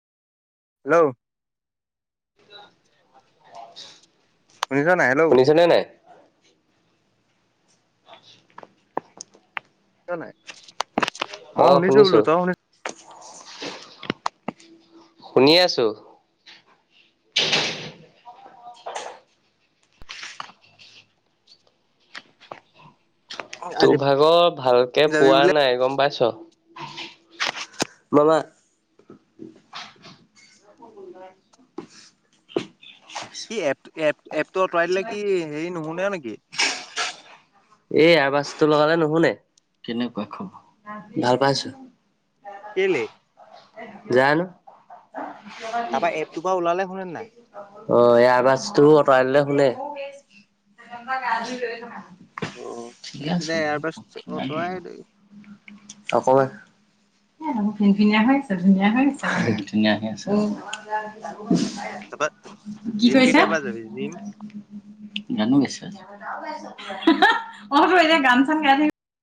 Hello [unintelligible] শুনিছ নাই? Hello শুনিছনে নাই? [inaudible] ছ নাই? ময় অ' শুনিছোঁ বোলো, শুনিছো, তই শুনি- শুনি আছোঁ। তো আজি ভাগৰ ভালকে যাবি পোৱা বোলে নাই গম পাইছ। মামা- খুব গোন্ধ আছে। কি এপটো এপ এপটো আঁতৰাই দিলে কি হেৰি নুশুনে আও নেকি? এই আবাজটো লগালে নুশুনে। কেনেকুৱা খবৰ? ভাল পাইছো। কেলে? যানো? তাপা এপটোৰ পৰা ওলালে শুনে নে নাই? অঁ' এই আবাজটো আঁতৰাই দিলে শুনে। অ এ ঠিকে তেতিয়া আছো, এয়াৰবাছ কিমান দিন আঁতৰাই হ'ল? দে। নকমে। এ ফিনফিনিয়া হৈ আছে ধুনীয়া হৈ আছে। ধুনীয়া হৈ আছে। উম' তাৰপা কি জিম কৰিছা? কেতিয়াৰ পৰা যাবি জিম? গানো গাইছা? অঁ তো এতিয়া গান চান গাই থাকি-